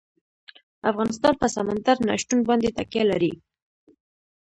افغانستان په سمندر نه شتون باندې تکیه لري.